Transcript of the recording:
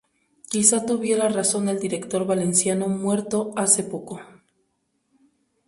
Quizás tuviera razón el director valenciano muerto hace poco.